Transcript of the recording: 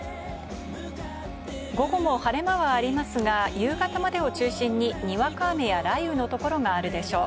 午後も晴れ間はありますが、夕方までを中心ににわか雨や雷雨の所があるでしょう。